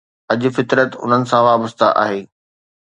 اڄ فطرت انهن سان وابسته آهي.